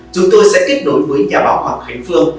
chúng tôi sẽ kết nối với nhà báo hoàng khánh phương